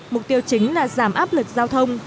mục tiêu chính là giảm áp lực giao thông